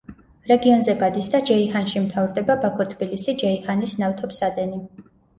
რეგიონზე გადის და ჯეიჰანში მთავრდება ბაქო-თბილისი-ჯეიჰანის ნავთობსადენი.